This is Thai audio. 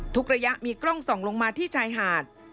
ระยะมีกล้องส่องลงมาที่ชายหาด